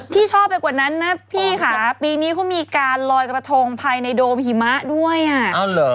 ที่ชอบไปกว่านั้นนะพี่ค่ะปีนี้เขามีการลอยกระทงภายในโดมหิมะด้วยอ่ะ